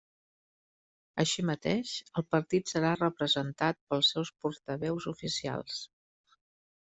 Així mateix, el partit serà representat pels seus portaveus oficials.